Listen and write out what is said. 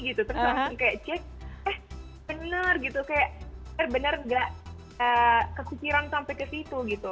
terus aku kayak cek eh bener gitu kayak bener nggak kekukiran sampai ke situ gitu